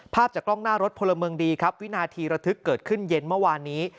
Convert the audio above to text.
ภาพจากกล้องหน้ารถพลเมืองดีครับวินาทีระทึกเกิดขึ้นเย็นเมื่อวานนี้